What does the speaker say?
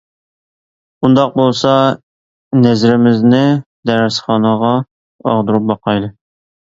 ئۇنداق بولسا نەزىرىمىزنى دەرسخانىغا ئاغدۇرۇپ باقايلى.